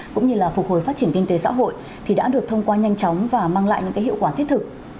cũng như là phục hồi phát triển kinh tế xã hội thì đã được thông qua nhanh chóng và mang lại những hiệu quả thiết thực